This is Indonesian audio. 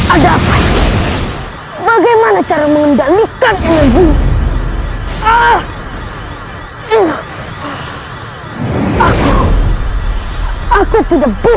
ada apa apa bagaimana cara mengembalikan yang membunuhku